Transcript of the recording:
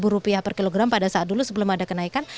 dua belas rupiah per kilogram pada saat dulu sebelum ada kenaikan